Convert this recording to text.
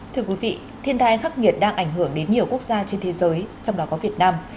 thưa quý vị thiên tai khắc nghiệt đang ảnh hưởng đến nhiều quốc gia trên thế giới trong đó có việt nam